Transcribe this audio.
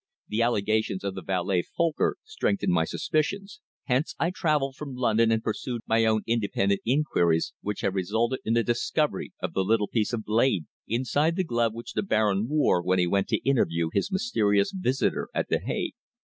The allegations of the valet, Folcker, strengthened my suspicions, hence I travelled from London and pursued my own independent inquiries, which have resulted in the discovery of the little piece of blade inside the glove which the Baron wore when he went to interview his mysterious visitor at The Hague."